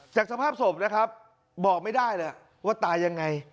สภาพศพนะครับบอกไม่ได้เลยว่าตายยังไง